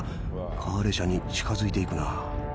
カーレシャに近づいて行くな。